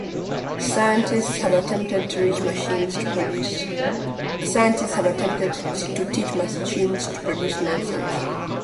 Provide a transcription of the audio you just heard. Scientists have attempted to teach machines to produce nonsense.